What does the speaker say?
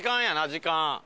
時間。